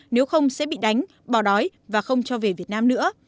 nếu không sẽ bị đánh bỏ đói và không cho về việt nam nữa